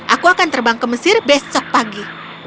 aku akan terbang ke mesir besok pagi